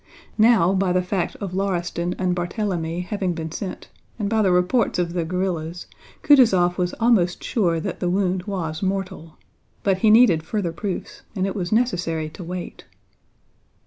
Now by the fact of Lauriston and Barthélemi having been sent, and by the reports of the guerrillas, Kutúzov was almost sure that the wound was mortal. But he needed further proofs and it was necessary to wait.